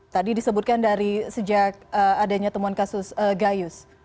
tadi disebutkan dari sejak adanya temuan kasus gayus